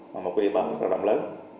một địa bản rất là rộng lớn